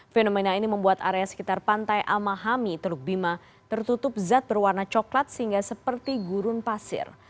fenomena ini membuat area sekitar pantai amahami teluk bima tertutup zat berwarna coklat sehingga seperti gurun pasir